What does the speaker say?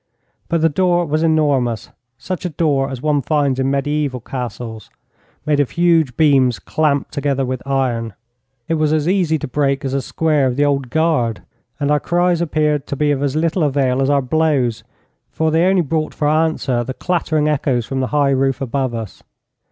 But the door was enormous such a door as one finds in mediaeval castles made of huge beams clamped together with iron. It was as easy to break as a square of the Old Guard. And our cries appeared to be of as little avail as our blows, for they only brought for answer the clattering echoes from the high roof above us.